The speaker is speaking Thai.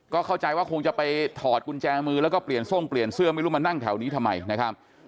ก็เข้าใจว่าคงจะไปถอดกุญแจมือแล้วก็เปลี่ยนทรงเปลี่ยนเสื้อไม่รู้มานั่งแถวนี้ทำไมนะครับ